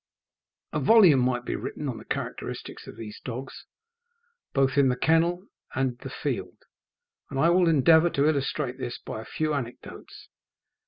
A volume might be written on the characteristics of these dogs, both in the kennel and the field, and I will endeavour to illustrate this by a few anecdotes.